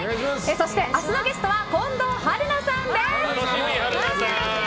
そして、明日のゲストは近藤春菜さんです。